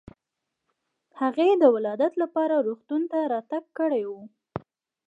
هغې د ولادت لپاره روغتون ته راتګ کړی و.